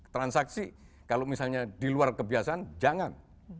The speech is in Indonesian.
transaksi kalau misalnya di luar kebiasaan jangan